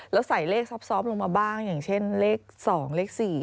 แล้วใส่เลขซอบลงมาบ้างอย่างเช่นเลข๒เลข๔